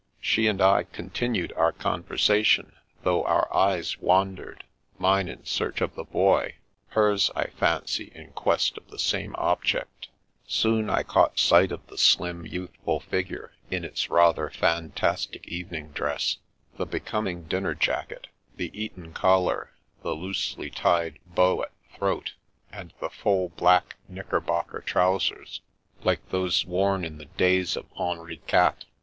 She and I continued our conversa tion, though our eyes wandered, mine in search of the Boy, hers I fancy in quest of the same object Soon I caught sight of the slim, youthful figure, in its rather fantastic evening dress, the becoming dinner jacket, the Eton collar, the loosely tied bow at the throat, and the full, black knickerbocker trousers, like those worn in the days of Henri Quatre.